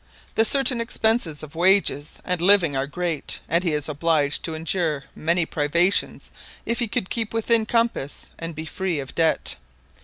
The certain expenses of wages and living are great, and he is obliged to endure many privations if he would keep within compass, and be free of debt.